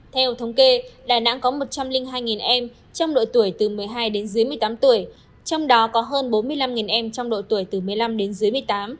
theo thống kê đà nẵng có một trăm linh hai em trong độ tuổi từ một mươi hai đến dưới một mươi tám tuổi trong đó có hơn bốn mươi năm em trong độ tuổi từ một mươi năm đến dưới một mươi tám